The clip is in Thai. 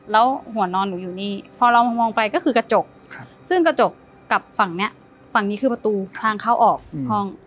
แล้วหัวนอนหนูอยู่นี่พอเรามองไปก็คือกระจกซึ่งกระจกกับฝั่งนี้ฝั่งนี้คือประตูทางเข้าออกห้อง